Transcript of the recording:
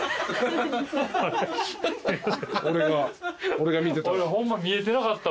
俺が見てた。